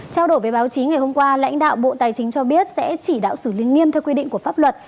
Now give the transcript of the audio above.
trao đổi với báo chí ngày hôm qua lãnh đạo bộ tài chính cho biết sẽ chỉ đạo xử lý nghiêm theo quy định của pháp luật